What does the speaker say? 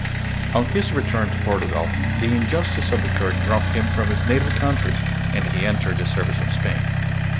On his return to Portugal, the injustice of the court drove him from his native country, and he entered the service of Spain.